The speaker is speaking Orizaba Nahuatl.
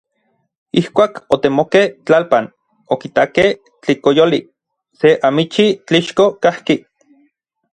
Ijkuak otemokej tlalpan, okitakej tlikoyoli, se amichij tlixko kajki.